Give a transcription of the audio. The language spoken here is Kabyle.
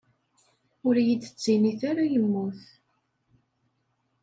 Ur iyi-d-ttinit ara yemmut.